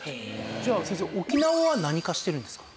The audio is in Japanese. じゃあ先生沖縄は何化してるんですか？